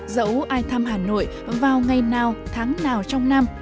dẫu ai thăm hà nội vào ngày nào tháng nào trong năm